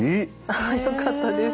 あっよかったです。